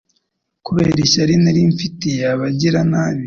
kubera ishyari nari mfitiye abagiranabi